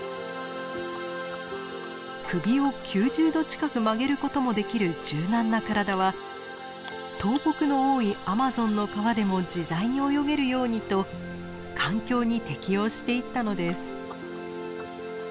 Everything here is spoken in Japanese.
首を９０度近く曲げることもできる柔軟な体は倒木の多いアマゾンの川でも自在に泳げるようにと環境に適応していったのです。